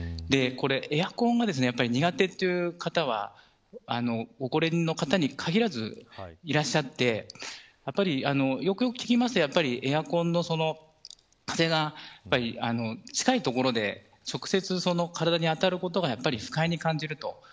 エアコンが苦手という方はご高齢の方に限らずいらっしゃってよくよく聞きますとエアコンの風が近い所で直接体に当たることが不快に感じると。